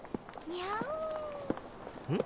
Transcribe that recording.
にゃおん！